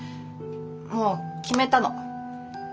もう決めたの。